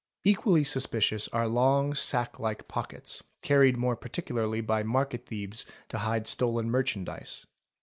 Hqually suspicious are long sack like pockets, carried more particularly by market thieves to hide stolen merchandise.